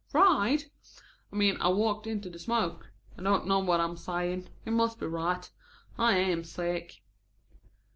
"Ride?" "I mean I walked into the smoke. I don't know what I am saying. You must be right. I am sick."